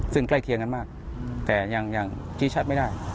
ซึ่งใกล้เคียงกันมากแต่ยังชี้ชัดไม่ได้